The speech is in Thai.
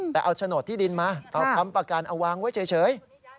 แต่เอาโฉนดที่ดินมาเอาค้ำประกันเอาวางไว้เฉย